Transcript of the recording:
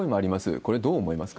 これ、どう思いますか？